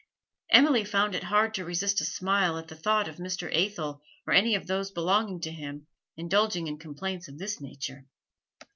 Emily found it hard to resist a smile at the thought of Mr. Athel or any of those belonging to him indulging in complaints of this nature.